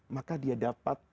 maka dia dapat